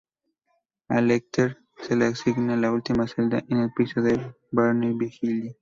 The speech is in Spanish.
A Lecter se le asigna la última celda en el piso que Barney vigila.